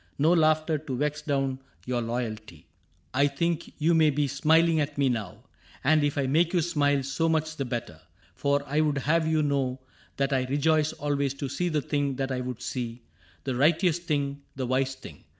No laughter to vex down your loyalty. ^^ I think you may be smiling at me now — And if I make you smile, so much the better ; For I would have you know that I rejoice Always to see the thing that I would see — The righteous thing, the wise thing.